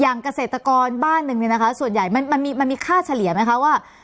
เกษตรกรบ้านหนึ่งเนี่ยนะคะส่วนใหญ่มันมีค่าเฉลี่ยไหมคะว่า